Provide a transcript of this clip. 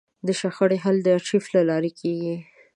د شخړې حل د ارشیف له لارې کېږي.